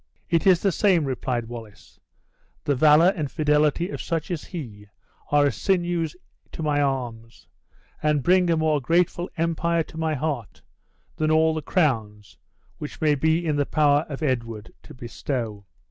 "It is the same," replied Wallace; "the valor and fidelity of such as he are as sinews to my arms, and bring a more grateful empire to my heart than all the crowns which may be in the power of Edward to bestow."